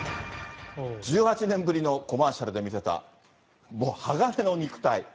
１８年ぶりのコマーシャルで見せたもう鋼の肉体。